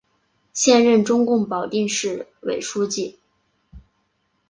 现任中共保定市委书记。